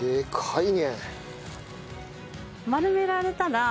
はい。